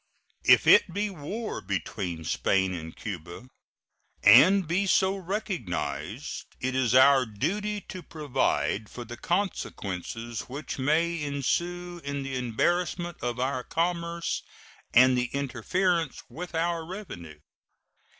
If it be war between Spain and Cuba, and be so recognized, it is our duty to provide for the consequences which may ensue in the embarrassment to our commerce and the interference with our revenue.